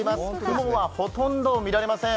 雲はほとんど見られません。